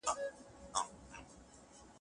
پانګه د توليد د وسايلو د پراختيا لپاره اړينه ده.